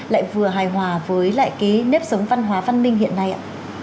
lại vừa hài hòa với lại cái nếp sống văn hóa văn minh hiện nay ạ